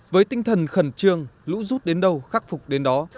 với tinh thần khẩn trương lũ rút đến đâu khắc phục đến đó